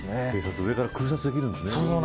上から空撮できるんですね。